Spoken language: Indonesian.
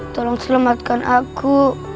tolong selamatkan aku